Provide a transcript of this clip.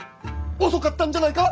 遅かったんじゃないか。